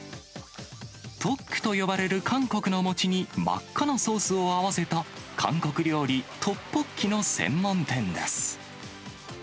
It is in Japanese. トックと呼ばれる韓国の餅に、真っ赤なソースを合わせた韓国料理、トッポッキの専門店です。